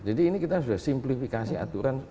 jadi ini kita sudah simplifikasi aturan